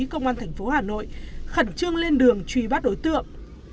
công an thành phố hà nội khẩn trương lên đường truy bắt đối tượng